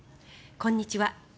こんにちは。